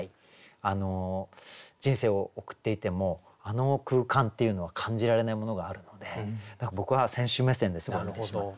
人生を送っていてもあの空間っていうのは感じられないものがあるので僕は選手目線でそれを見てしまって。